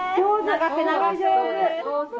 長く長く。